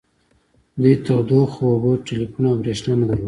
دوی تودوخه اوبه ټیلیفون او بریښنا نه درلوده